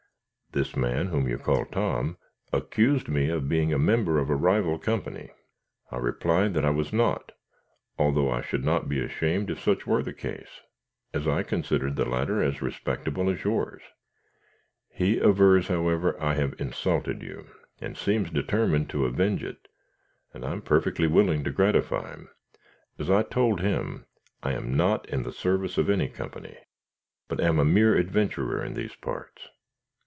This man, whom you call Tom, accused me of being a member of a rival company; I replied I was not, although I should not be ashamed if such were the case, as I considered the latter as respectable as yours. He avers, however, I have insulted you, and seems determined to avenge it, and I am perfectly willing to gratify him. As I told him, I am not in the service of any company, but am a mere adventurer in these parts.